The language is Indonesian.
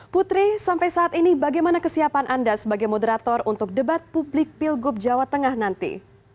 putri sampai saat ini bagaimana kesiapan anda sebagai moderator untuk debat publik pilgub jawa tengah nanti